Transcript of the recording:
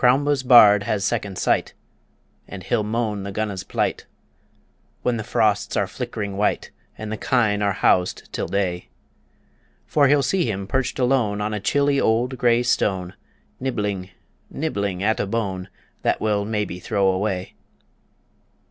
Croumba's bard has second sight, And he'll moan the Gunna's plight, When the frosts are flickering white, And the kine are housed till day; For he'll see him perched alone On a chilly old grey stone, Nibbling, nibbling at a bone That we'll maybe throw away.